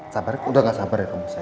sabar udah gak sabar ya kamu bisa